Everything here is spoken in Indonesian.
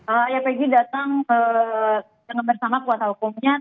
ayah peji datang bersama kuasa hukumnya